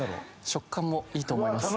食感もいいと思います